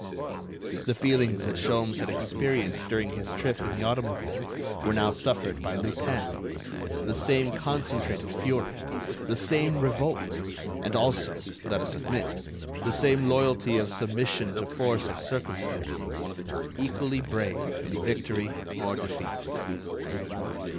The feelings that Sholmes had experienced during his trip in the automobile were now suffered by Lupin, the same concentrated fury, the same revolt, and also, let us admit, the same loyalty of submission to force of circumstances. Equally brave in victory or defeat.